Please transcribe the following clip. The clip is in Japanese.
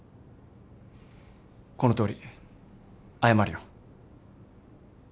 このとおり謝るよ。